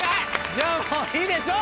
じゃあもういいでしょう。